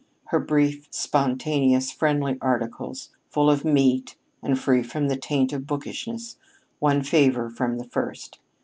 Her brief, spontaneous, friendly articles, full of meat and free from the taint of bookishness, won favor from the first.